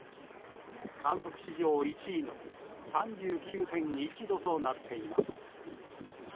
観測史上１位の３９．１度となっています。